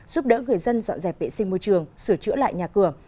giúp đỡ người dân dọn dẹp vệ sinh môi trường sửa chữa lại nhà cửa